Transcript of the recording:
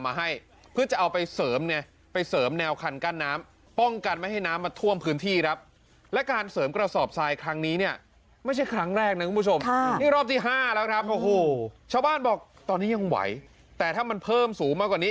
ไม่ใช่ครั้งแรกน่ะคุณผู้ชมค่ะนี่รอบที่๕ละครับโอ้โหชาวบ้านบอกตอนนี้ยังไหวแต่ถ้ามันเพิ่มสูงมากกว่านี้